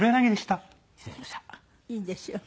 いいんですよ。